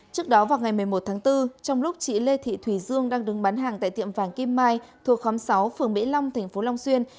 trước đó vào ngày một mươi một tháng bốn trong lúc chị lê thị thùy dương đang đứng bán hàng tại tiệm vàng kim mai thuộc khóm sáu phường mỹ long tp long xuyên